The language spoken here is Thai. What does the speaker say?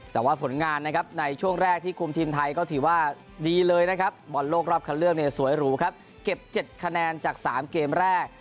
แต่ว่าผลงานนะครับในช่วงแรกที่คุมทีมไทยก็ถือว่าดีเลยนะครับบอลโลกรอบคันเลือกเนี่ยสวยหรูครับเก็บ๗คะแนนจาก๓เกมแรก